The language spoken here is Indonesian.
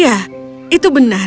ya itu benar